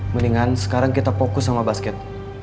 mendingan sekarang kita fokus sama basket